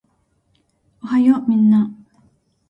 おはようみんな